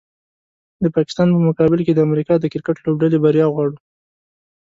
د پاکستان په مقابل کې د امریکا د کرکټ لوبډلې بریا غواړو